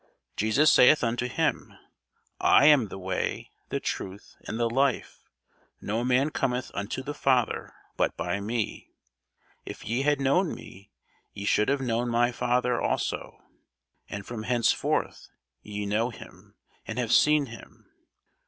Jesus saith unto him, I am the way, the truth, and the life: no man cometh unto the Father, but by me. If ye had known me, ye should have known my Father also: and from henceforth ye know him, and have seen him.